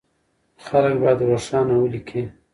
خلک بايد روښانه وليکي.